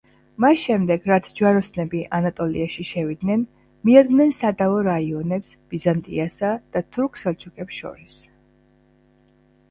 მას შემდეგ, რაც ჯვაროსნები ანატოლიაში შევიდნენ, მიადგნენ სადავო რაიონებს ბიზანტიასა და თურქ-სელჩუკებს შორის.